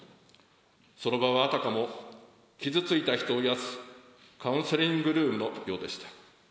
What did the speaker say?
その場はあたかも、傷ついた人を癒やすカウンセリングルームのようでした。